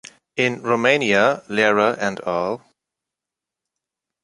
In Romania, Lehrer and al.